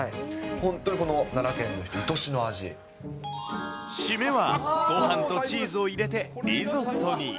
本当、奈良県の人、締めはごはんとチーズを入れてリゾットに。